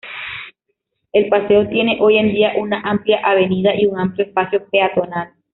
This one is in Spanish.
El paseo tiene hoy en día una amplia avenida y un amplio espacio peatonal.